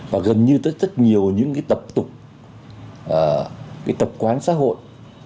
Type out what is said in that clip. và gần như rất nhiều những tập tục tập quán xã hội